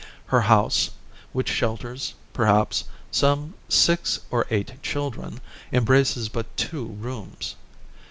Her house, which shelters, perhaps, some six or eight children, embraces but two rooms.